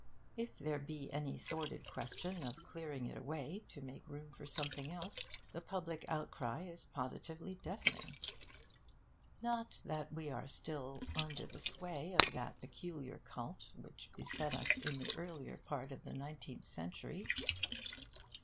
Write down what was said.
If there be any sordid question of clearing it away to make room for something else, the public outcry is positively deafening. Not that we are still under the sway of that peculiar cult which beset us in the earlier part of the nineteenth century.